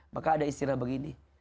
maka ada istilah begini